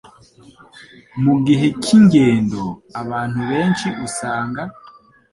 Mu gihe cy’ingendo, abantu benshi usanga